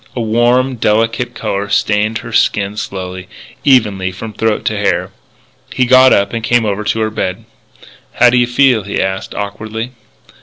A warm, delicate colour stained her skin slowly, evenly, from throat to hair. He got up and came over to the bed. "How do you feel?" he asked, awkwardly.